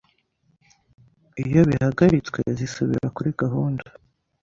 iyo bihagaritswe zisubira kuri gahunda